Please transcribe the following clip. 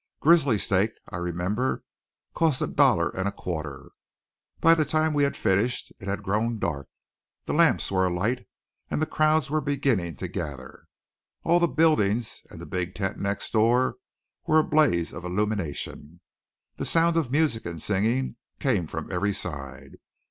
Grizzly steak, I remember, cost a dollar and a quarter. By the time we had finished, it had grown dark. The lamps were alight, and the crowds were beginning to gather. All the buildings and the big tent next door were a blaze of illumination. The sounds of music and singing came from every side.